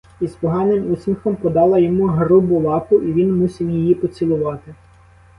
Із поганим усміхом подала йому грубу лапу, і він мусів її поцілувати.